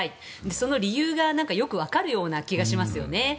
その理由がよくわかるような気がしますよね。